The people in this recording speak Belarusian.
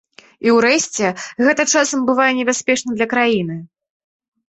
І ўрэшце гэта часам бывае небяспечна для краіны.